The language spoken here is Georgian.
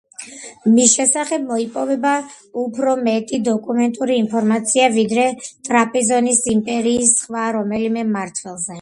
მის შესახებ მოიპოვება უფრო მეტი დოკუმენტური ინფორმაცია, ვიდრე ტრაპიზონის იმპერიის სხვა რომელიმე მმართველზე.